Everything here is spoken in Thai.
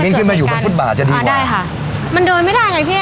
มิ้นขึ้นมาอยู่มันพุดบ่าจะดีกว่าอ่าได้ค่ะมันเดินไม่ได้ไงพี่